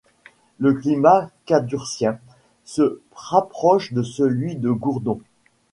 Le climat cadurcien se rapproche de celui de Gourdon.